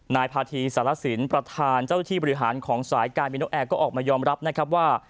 นายพาธีสารสินประธานเจ้าที่บริหารของสายการบินนกแอร์ก็ออกมายอมรับนะครับว่า